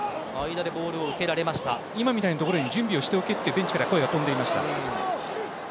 今みたいなところに準備をしておけとベンチから声が飛んでいました。